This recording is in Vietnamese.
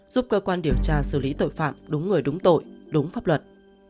giúp cơ quan điều tra xử lý tội phạm đúng người đúng tội đúng pháp luật